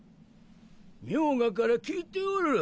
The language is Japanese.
冥加から聞いておる。